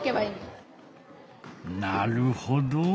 なるほど。